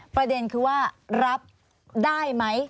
ประเด็นคือว่ารับได้ไหม